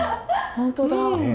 本当だ。